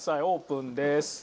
オープンです。